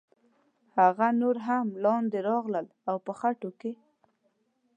هغه نور هم لاندې راغلل او په خټو کې.